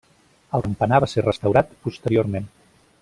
El campanar va ser restaurat posteriorment.